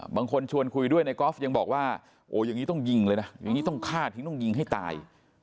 บางคนชวนคุยด้วยในกอล์ฟยังบอกว่าโอ้อย่างนี้ต้องยิงเลยนะอย่างนี้ต้องฆ่าทิ้งต้องยิงให้ตาย